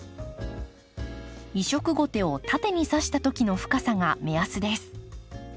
移植ゴテを縦にさした時の深さが目安です。